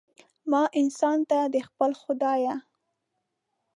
ما انسان ته، د خپل خدایه